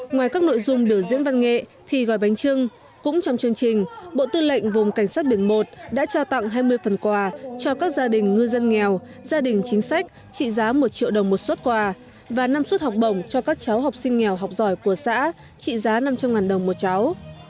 ngoài các nội dung biểu diễn văn nghệ thì gói bánh trưng cũng trong chương trình bộ tư lệnh vùng cảnh sát biển một đã trao tặng hai mươi phần quà cho các gia đình ngư dân nghèo gia đình chính sách trị giá một triệu đồng một xuất quà và năm suất học bổng cho các cháu học sinh nghèo học giỏi của xã trị giá năm trăm linh đồng một cháu